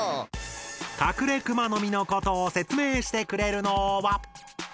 カクレクマノミのことを説明してくれるのは。